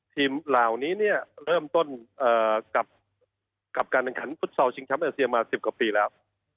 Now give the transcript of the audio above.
ทีมราวนี้เนี่ยเริ่มต้นกับการการพุทธศาลชิงชัมโอเอ่สเซียมา๑๐กว่าปีแล้ว